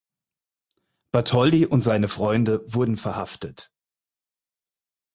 Bartholdi und seine Freunde wurden verhaftet.